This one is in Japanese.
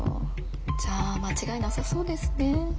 じゃあ間違いなさそうですね。